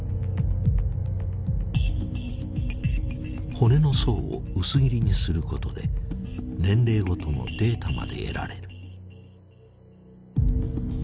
骨の層を薄切りにすることで年齢ごとのデータまで得られる。